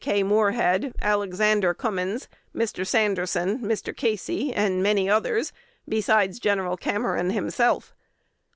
K. Moorehead, Alexander Cummins, Mr. Sanderson, Mr. Casey, and many others, besides Gen. Cameron himself.